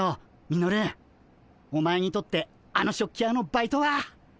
ミノルお前にとってあの食器屋のバイトは。